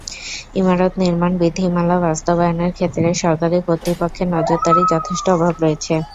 ইমারত নির্মাণ বিধিমালা বাস্তবায়নের ক্ষেত্রে সরকারি কর্তৃপক্ষের নজরদারির যথেষ্ট অভাব রয়েছে।